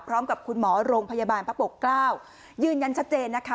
พร้อมกับคุณหมอโรงพยาบาลพระปกเกล้ายืนยันชัดเจนนะคะ